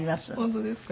本当ですか？